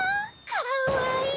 かわいい！